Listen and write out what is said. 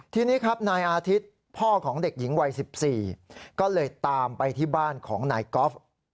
ทีนี้ครับนายอาทิตย์พ่อของเด็กหญิงวัย๑๔ก็เลยตามไปที่บ้านของนายกอล์ฟ